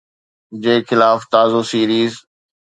جي خلاف تازو سيريز